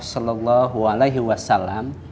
sallallahu alaihi wasallam